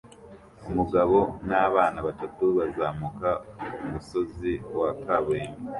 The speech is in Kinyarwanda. Umugabo nabana batatu bazamuka umusozi wa kaburimbo